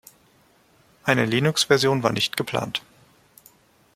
Eine Linux-Version war nicht geplant.